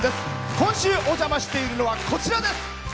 今週お邪魔しているのはこちらです！